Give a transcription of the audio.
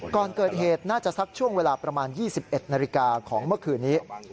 ก่อนเกิดเหตุน่าจะสักช่วงเวลาประมาณ๒๑นาฬิกาของเมื่อคืนนี้